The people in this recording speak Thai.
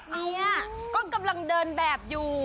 เนี่ยก็กำลังเดินแบบอยู่